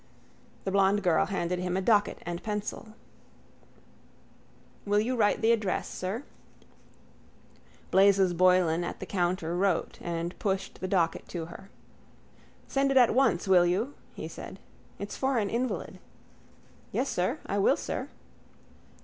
The blond girl handed him a docket and pencil. —Will you write the address, sir? Blazes Boylan at the counter wrote and pushed the docket to her. —Send it at once, will you? he said. It's for an invalid. —Yes, sir. I will, sir.